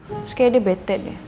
terus kayaknya dia bete deh